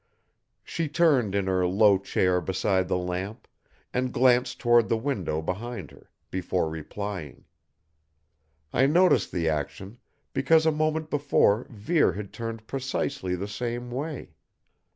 She turned in her low chair beside the lamp and glanced toward the window behind her, before replying. I noticed the action, because a moment before Vere had turned precisely the same way.